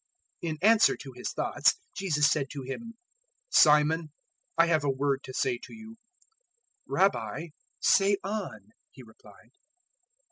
007:040 In answer to his thoughts Jesus said to him, "Simon, I have a word to say to you." "Rabbi, say on," he replied.